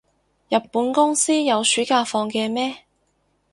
日本公司有暑假放嘅咩？